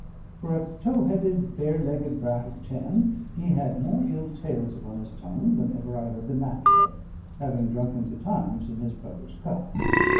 For a tow headed, bare legged brat of ten, he had more ill tales upon his tongue than ever I heard the match of; having drunken betimes in his brother's cup.